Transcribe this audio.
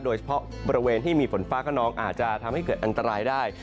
โดยเฉพาะบริเวณที่มีฝนฟ้าขนองอาจจะทำให้เกิดอันตรายได้